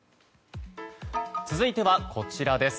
続いてはこちらです。